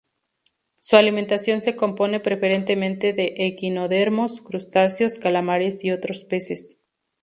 Su alimentación se compone preferentemente de equinodermos, crustáceos, calamares y otros peces.